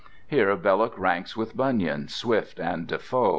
Here Belloc ranks with Bunyan, Swift, and Defoe.